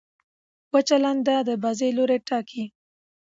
وچه لنده د بازۍ لوری ټاکي.